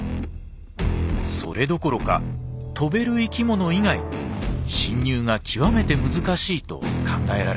それどころか飛べる生き物以外侵入が極めて難しいと考えられています。